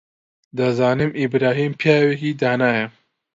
دەزانم ئیبراهیم پیاوێکی دانایە.